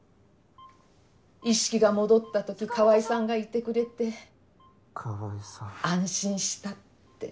意識が戻った時川合さんがいてくれて安心したって。